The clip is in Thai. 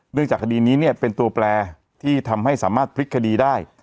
จากคดีนี้เนี่ยเป็นตัวแปลที่ทำให้สามารถพลิกคดีได้